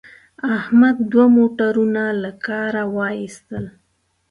احمد دوه موټرونه له کاره و ایستل.